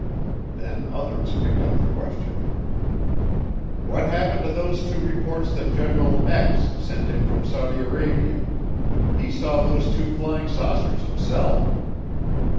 Then others picked up the questioning. "What happened to those two reports that General sent in from Saudi Arabia? He saw those two flying saucers himself."